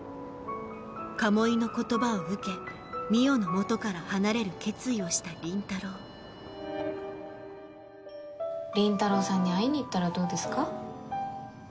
鴨居の言葉を受け海音の元から離れる決意をした倫太郎倫太郎さんに会いに行ったらどうですか？